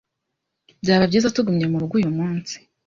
Byaba byiza tugumye murugo uyu munsi.